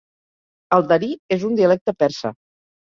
El darí és un dialecte persa.